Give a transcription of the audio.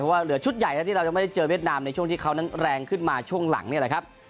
ว่าเหลือชุดใหญ่แล้วที่เรายังไม่ได้เจอเวียดนามในช่วงที่เขานั้นแรงขึ้นมาช่วงหลังนี่แหละครับ